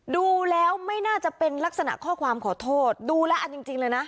ดูแล้วไม่น่าจะเป็นลักษณะข้อความขอโทษดูแล้วอันจริงเลยนะ